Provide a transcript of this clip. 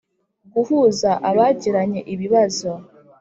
Guhuza abagiranye ibibazo